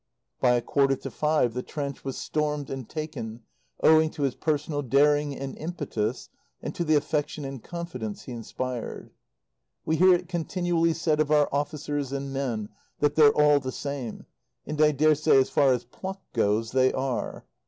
By a quarter to five the trench was stormed and taken, owing to his personal daring and impetus and to the affection and confidence he inspired.... We hear it continually said of our officers and men that 'they're all the same,' and I daresay as far as pluck goes they are.